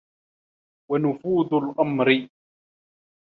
وَنُفُوذُ الْأَمْرِ